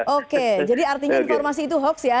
oke jadi artinya informasi itu hoax ya